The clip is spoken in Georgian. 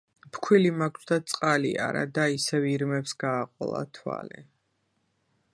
ფქვილი მაქვს და წყალი არა! – და ისევ ირმებს გააყოლა თვალი.